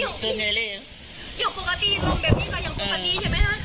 อย่างปกติลมแบบนี้ก็อย่างปกติใช่มั้ยฮะ